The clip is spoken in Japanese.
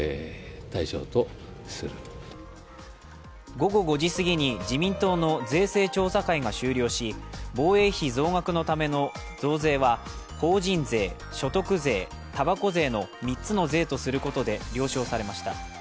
午後５時すぎに自民党の税制調査会が終了し防衛費増額のための増税は法人税、所得税、たばこ税の３つの税とすることで了承されました。